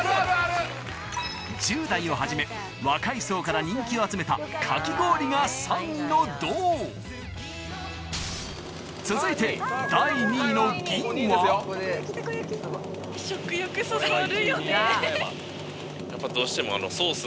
１０代をはじめ若い層から人気を集めたかき氷が３位の銅続いて第２位の銀はどうしても。